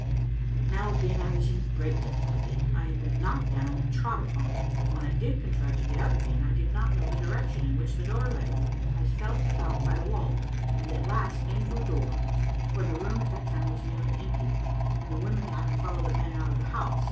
Now again I was in great difficulty; I had been knocked down and trod upon, and when I did contrive to get up again, I did not know the direction in which the door lay. I felt about by the wall, and at last came to a door, for the room at that time was nearly empty, the women having followed the men out of the house.